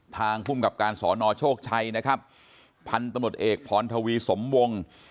ทางภูมิกับการขนโชคชัยพรรณแต่งตตเอกพทวีสมวง